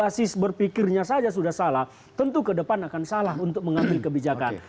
basis berpikirnya saja sudah salah tentu ke depan akan salah untuk mengambil kebijakan